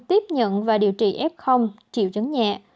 tiếp nhận và điều trị f triệu chấn nhẹ